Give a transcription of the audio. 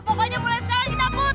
pokoknya mulai sekarang kita putus